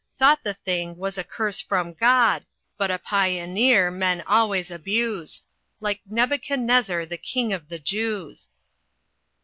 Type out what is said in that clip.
Thought the thing was a curse from God; But a Pioneer men always abuse, Like Nebuchadnezzar the King of the Jews."